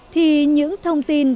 thì những thông tin